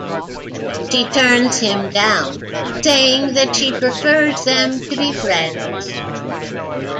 She turns him down, saying that she prefers them to be friends.